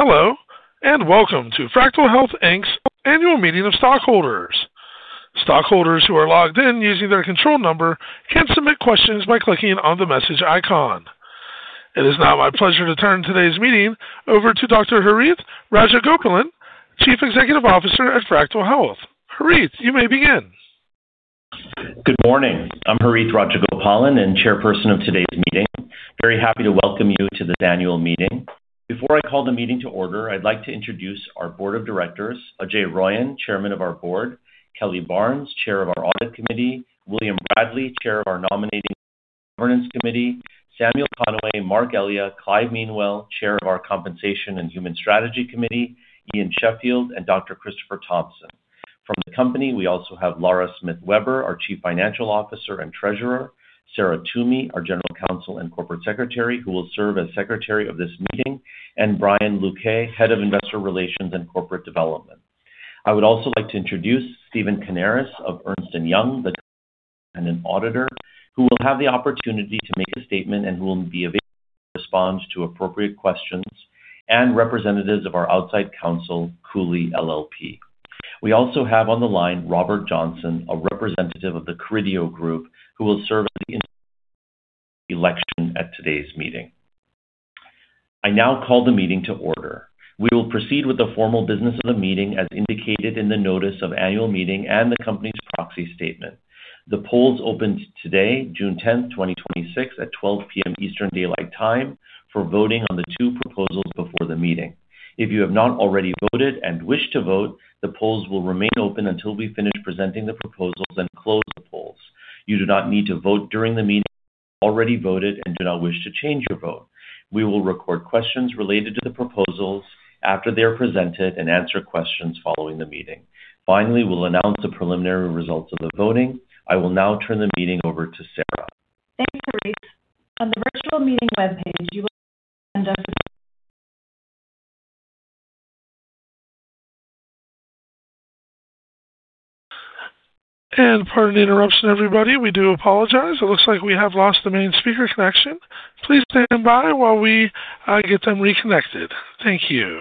Welcome to Fractyl Health, Inc.'s Annual Meeting of Stockholders. Stockholders who are logged in using their control number can submit questions by clicking on the message icon. It is now my pleasure to turn today's meeting over to Dr. Harith Rajagopalan, Chief Executive Officer at Fractyl Health. Harith, you may begin. Good morning. I am Harith Rajagopalan, Chairperson of today's meeting. Very happy to welcome you to this Annual Meeting. Before I call the meeting to order, I would like to introduce our Board of directors, Ajay Royan, Chairman of our Board, Kelly Barnes, Chair of our Audit Committee, William Bradley, Chair of our Nominating and Governance Committee, Samuel Conaway, Marc Elia, Clive Meanwell, Chair of our Compensation and Human Strategy Committee, Ian Sheffield, and Dr. Christopher Thompson. From the company, we also have Lara Smith Weber, our Chief Financial Officer and Treasurer, Sarah Toomey, our General Counsel and Corporate Secretary, who will serve as Secretary of this meeting, and Brian Luque, Head of Investor Relations and Corporate Development. I would also like to introduce Steven Canaris of Ernst & Young, the current independent auditor, who will have the opportunity to make a statement and who will be available to respond to appropriate questions and representatives of our outside counsel, Cooley LLP. We also have on the line Robert Johnson, a representative of The Carideo Group, who will serve as the inspector of election at today's meeting. I now call the meeting to order. We will proceed with the formal business of the meeting as indicated in the notice of Annual Meeting and the company's proxy statement. The polls opened today, June 10th, 2026 at 12:00 P.M. Eastern Daylight Time for voting on the two proposals before the meeting. If you have not already voted and wish to vote, the polls will remain open until we finish presenting the proposals and close the polls. You do not need to vote during the meeting if you have already voted and do not wish to change your vote. We will record questions related to the proposals after they are presented and answer questions following the meeting. Finally, we will announce the preliminary results of the voting. I will now turn the meeting over to Sarah. Thanks, Harith. On the virtual meeting webpage, you will find the agenda for the Pardon the interruption, everybody. We do apologize. It looks like we have lost the main speaker connection. Please stand by while we get them reconnected. Thank you.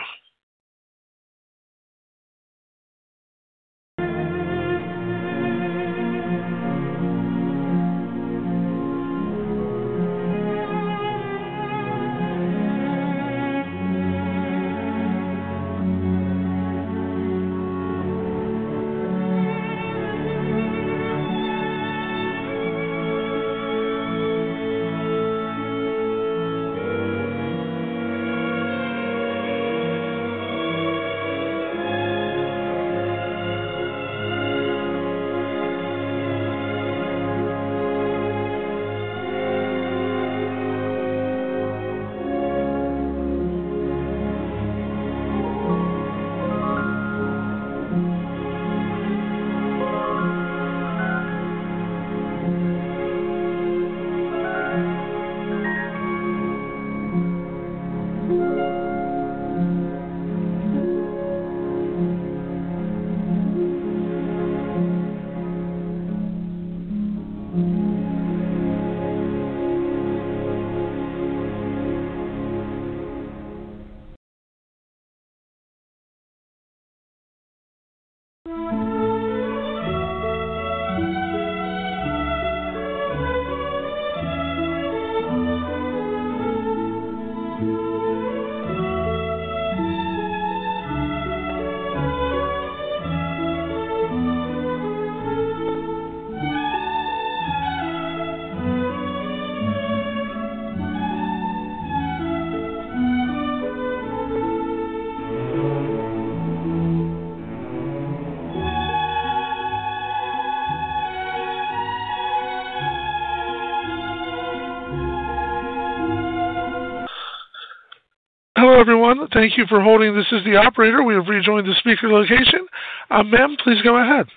Hello, everyone. Thank you for holding. This is the operator. We have rejoined the speaker location. Ma'am, please go ahead.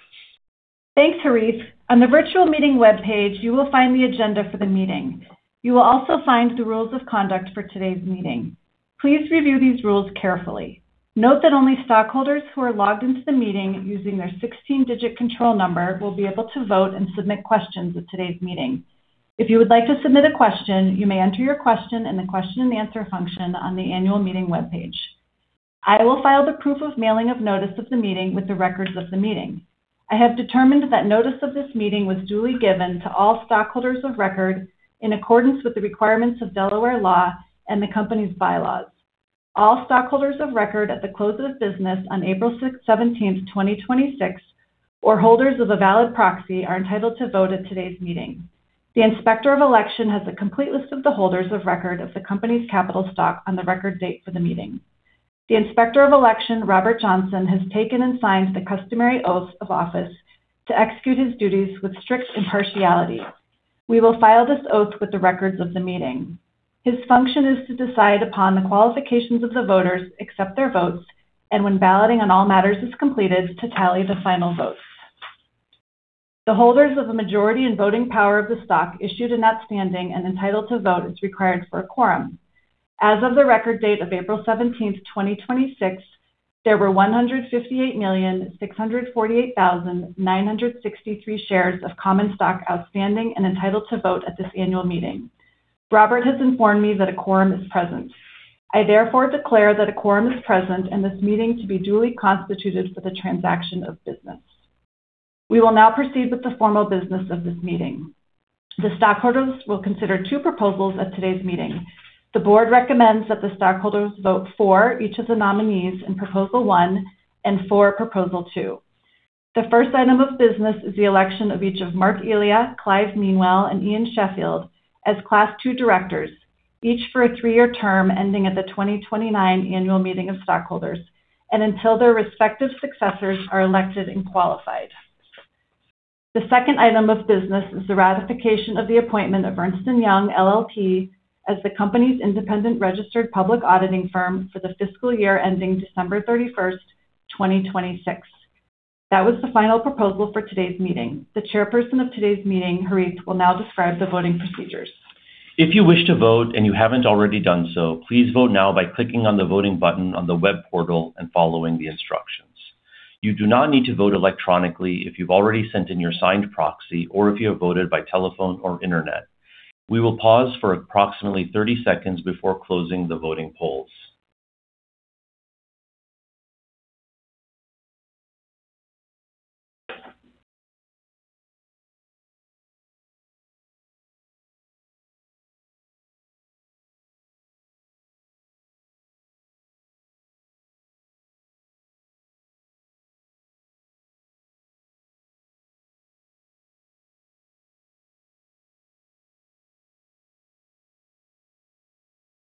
Thanks, Harith. On the virtual meeting webpage, you will find the agenda for the meeting. You will also find the rules of conduct for today's meeting. Please review these rules carefully. Note that only stockholders who are logged into the meeting using their 16-digit control number will be able to vote and submit questions at today's meeting. If you would like to submit a question, you may enter your question in the question and answer function on the Annual Meeting webpage. I will file the proof of mailing of notice of the meeting with the records of the meeting. I have determined that notice of this meeting was duly given to all stockholders of record in accordance with the requirements of Delaware law and the company's bylaws. All stockholders of record at the close of business on April 17th, 2026, or holders of a valid proxy are entitled to vote at today's meeting. The Inspector of Election has a complete list of the holders of record of the company's capital stock on the record date for the meeting. The Inspector of Election, Robert Johnson, has taken and signed the customary oaths of office to execute his duties with strict impartiality. We will file this oath with the records of the meeting. His function is to decide upon the qualifications of the voters, accept their votes, and when balloting on all matters is completed, to tally the final votes. The holders of a majority in voting power of the stock issued and outstanding and entitled to vote is required for a quorum. As of the record date of April 17th, 2026, there were 158,648,963 shares of common stock outstanding and entitled to vote at this Annual Meeting. Robert has informed me that a quorum is present. I therefore declare that a quorum is present and this meeting to be duly constituted for the transaction of business. We will now proceed with the formal business of this meeting. The stockholders will consider two proposals at today's meeting. The Board recommends that the stockholders vote for each of the nominees in proposal one and for proposal two. The first item of business is the election of each of Marc Elia, Clive Meanwell, and Ian Sheffield as Class II Directors, each for a three-year term ending at the 2029 Annual Meeting of Stockholders and until their respective successors are elected and qualified. The second item of business is the ratification of the appointment of Ernst & Young LLP as the company's independent registered public accounting firm for the fiscal year ending December 31st, 2026. That was the final proposal for today's meeting. The Chairperson of today's meeting, Harith, will now describe the voting procedures. If you wish to vote and you haven't already done so, please vote now by clicking on the voting button on the web portal and following the instructions. You do not need to vote electronically if you've already sent in your signed proxy or if you have voted by telephone or internet. We will pause for approximately 30 seconds before closing the voting polls.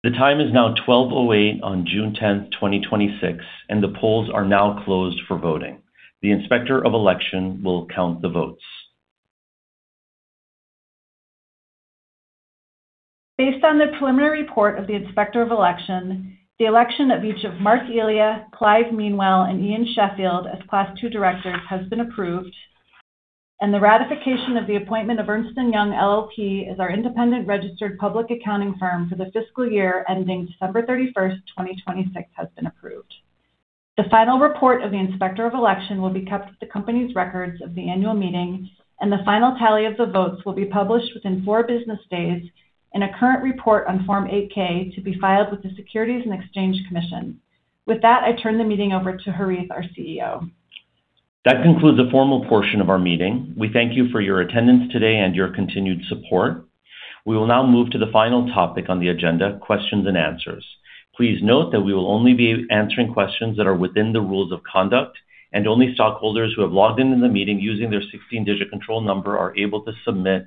The time is now 12:08 P.M. on June 10th, 2026, and the polls are now closed for voting. The Inspector of Election will count the votes. Based on the preliminary report of the Inspector of Election, the election of each of Marc Elia, Clive Meanwell, and Ian Sheffield as Class II directors has been approved, and the ratification of the appointment of Ernst & Young LLP as our independent registered public accounting firm for the fiscal year ending December 31st, 2026, has been approved. The final report of the Inspector of Election will be kept at the company's records of the Annual Meeting, and the final tally of the votes will be published within four business days in a current report on Form 8-K to be filed with the Securities and Exchange Commission. With that, I turn the meeting over to Harith, our CEO. That concludes the formal portion of our meeting. We thank you for your attendance today and your continued support. We will now move to the final topic on the agenda, questions and answers. Please note that we will only be answering questions that are within the rules of conduct, and only stockholders who have logged into the meeting using their 16-digit control number are able to submit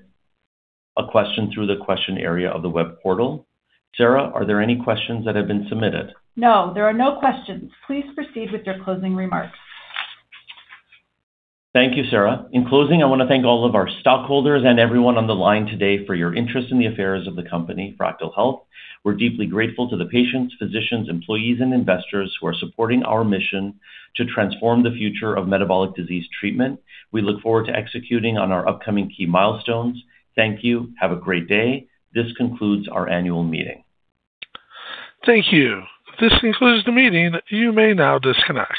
a question through the question area of the web portal. Sarah, are there any questions that have been submitted? No, there are no questions. Please proceed with your closing remarks. Thank you, Sarah. In closing, I want to thank all of our stockholders and everyone on the line today for your interest in the affairs of the company, Fractyl Health. We're deeply grateful to the patients, physicians, employees, and investors who are supporting our mission to transform the future of metabolic disease treatment. We look forward to executing on our upcoming key milestones. Thank you. Have a great day. This concludes our Annual Meeting. Thank you. This concludes the meeting. You may now disconnect.